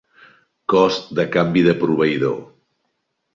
Cost de canvi de proveïdor.